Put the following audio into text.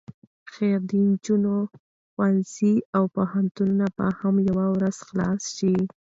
خير د نجونو ښوونځي او پوهنتونونه به هم يوه ورځ خلاص شي.